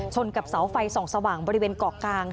กับเสาไฟส่องสว่างบริเวณเกาะกลาง